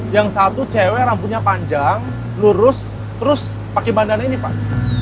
yang satu cewe rambutnya panjang lurus terus pake bandana ini pak